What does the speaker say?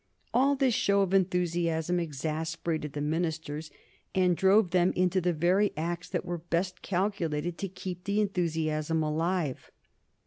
All this show of enthusiasm exasperated the ministers and drove them into the very acts that were best calculated to keep the enthusiasm alive.